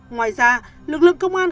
ngoài ra lực lượng công an